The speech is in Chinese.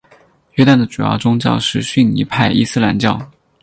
约旦的主要宗教是逊尼派伊斯兰教。